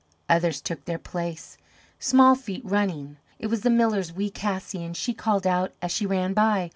Others took their place small feet, running. It was the miller's wee Cassie, and she called out as she ran by.